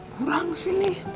burang di sini